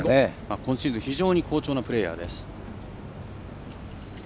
今シーズン非常に好調なプレーヤーです。